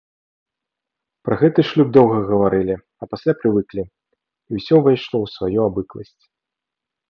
Пра гэты шлюб доўга гаварылі, а пасля прывыклі, і ўсё ўвайшло ў сваю абыкласць.